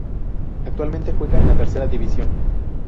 Actualmente juega en la tercera división.